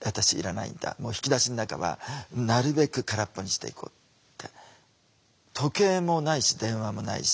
引き出しの中はなるべく空っぽにしていこうって。